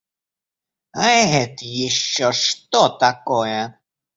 А это еще что такое?